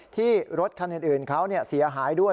ที่รถคันอื่นเขาเสียหายด้วย